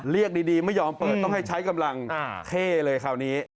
เรียกดีไม่ยอมเปิดต้องให้ใช้กำลังเท่เลยคราวนี้